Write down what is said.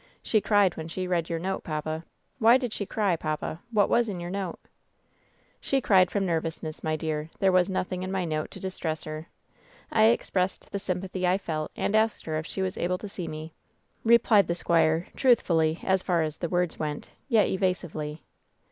She cried when she read your note, papa. Why did she cry, papa ? What was in your note ?" "She cried from nervousness, my dear. There was nothing in my note to distress her. I expressed the sym pathy I felt, and asked her if she was able to see me," replied the squire, truthfully, as far as the words went, yet exasively.